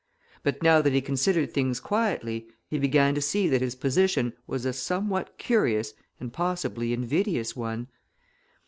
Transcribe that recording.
But now that he considered things quietly, he began to see that his position was a somewhat curious and possibly invidious one.